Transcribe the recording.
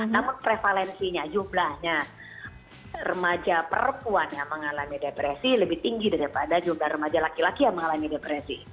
namun prevalensinya jumlahnya remaja perempuan yang mengalami depresi lebih tinggi daripada jumlah remaja laki laki yang mengalami depresi